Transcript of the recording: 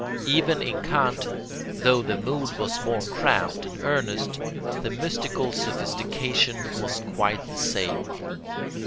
Even in Kant, though the mood was more cramped and earnest, the mystical sophistication was quite the same.